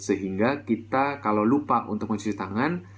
sehingga kita kalau lupa untuk mencuci tangan